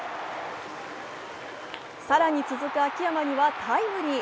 更に続く秋山にはタイムリー。